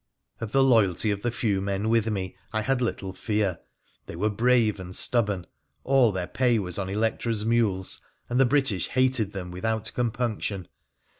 Of the loyalty of the few men with me I had little fear. They were brave and stubborn, all their pay was on Electra's mules, and the British hated them without compunction.